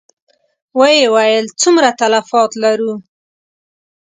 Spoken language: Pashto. ويې ويل: څومره تلفات لرو؟